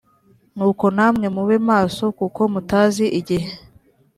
nuko namwe mube maso kuko mutazi igihe